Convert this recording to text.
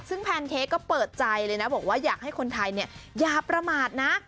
ซึ่งแพนเค้กก็เปิดใจเลยนะบอกว่าอยากให้คนไทยอย่าประมาทนะ